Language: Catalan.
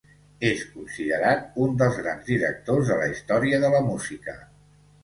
És considerat un dels grans directors de la història de la música.